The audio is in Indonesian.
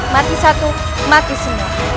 mati satu apalah semua